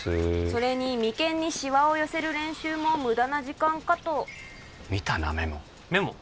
それに眉間に皺を寄せる練習も無駄な時間かと見たなメモメモ？